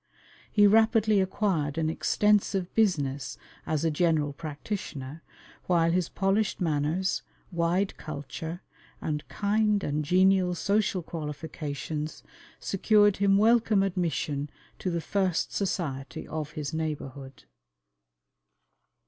He rapidly acquired an extensive business as a general practitioner, while his polished manners, wide culture, and kind and genial social qualifications, secured him welcome admission to the first society of his neighbourhood.